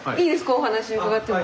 お話伺っても。